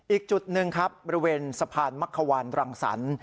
อีกจุดหนึ่งครับบริเวณสะพานมักขวานรังสรรค์